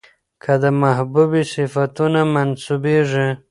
که د محبوبې صفتونه منسوبېږي،